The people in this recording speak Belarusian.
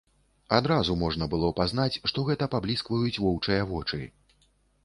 Адразу можна было пазнаць, што гэта пабліскваюць воўчыя вочы.